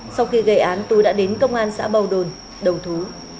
sau khi gây án tú đã đến công an xã bầu đồn đầu thú